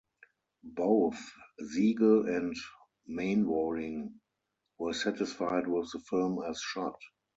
Both Siegel and Mainwaring were satisfied with the film as shot.